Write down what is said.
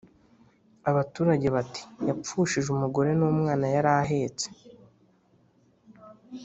abaturage bati:"Yapfushije umugore n' umwana yari ahetse?